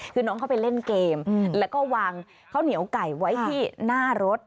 คือน้องเข้าไปเล่นเกมแล้วก็วางข้าวเหนียวไก่ไว้ที่หน้ารถ